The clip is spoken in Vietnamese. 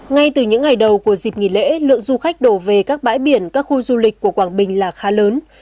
ngay từ những ngày đầu của dịp nghỉ lễ lượng du khách đổ về các bãi biển các khu du lịch của quảng bình là khá lớn